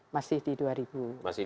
masih di dua ribu